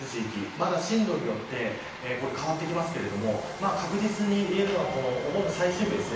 まだ進路によって変わってきますが確実に言えるのはお盆の最終日です。